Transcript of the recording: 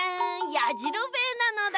やじろべえなのだ。